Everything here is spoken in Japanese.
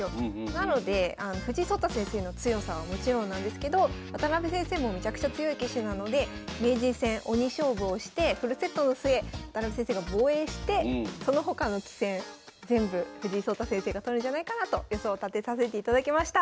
なので藤井聡太先生の強さはもちろんなんですけど渡辺先生もめちゃくちゃ強い棋士なので名人戦鬼勝負をしてフルセットの末渡辺先生が防衛してその他の棋戦全部藤井聡太先生が取るんじゃないかなと予想立てさせていただきました。